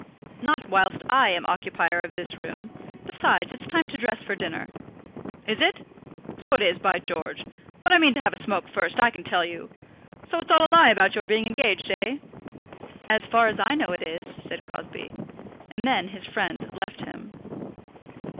"Not whilst I am occupier of this room. Besides, it's time to dress for dinner." "Is it? So it is, by George! But I mean to have a smoke first, I can tell you. So it's all a lie about your being engaged; eh?" "As far as I know, it is," said Crosbie. And then his friend left him.